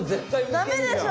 ダメでしょ！